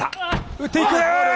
打っていく！